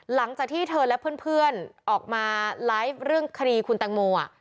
หลังจากที่เธอและเพื่อนออกมาไลฟ์เรื่องคดีคุณแตงโม